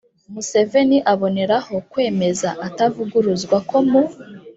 museveni aboneraho kwemeza atavuguruzwa ko mu